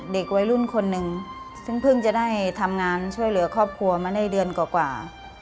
เด็กวัยรุ่นคนหนึ่งซึ่งเพิ่งจะได้ทำงานช่วยเหลือครอบครัวมาได้เดือนกว่า